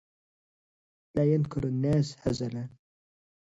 لا ينكر الناس هزلا